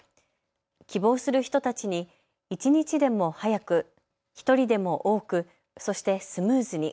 希望する人たちに一日でも早く、１人でも多く、そしてスムーズに。